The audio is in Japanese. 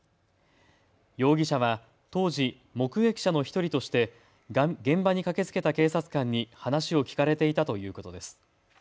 容疑者は当時、目撃者の１人として現場に駆けつけた警察官に話を聞かれていたということです。